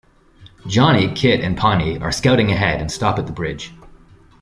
Johnny, Kit and Pawnee are scouting ahead and stop at the bridge.